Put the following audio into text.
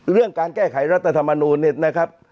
เรื่องการแก้ไขรัฐธรรมนูลเนี่ยนะครับ